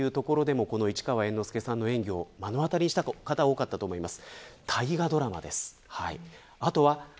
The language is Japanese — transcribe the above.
テレビというところでもこの市川猿之助さんの演技を目の当たりにした方が多かったと思います。